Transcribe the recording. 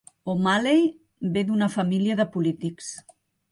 O'Malley ve d'una família de polítics.